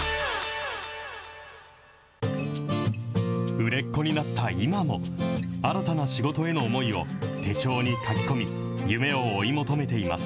売れっ子になった今も、新たな仕事への思いを手帳に書き込み、夢を追い求めています。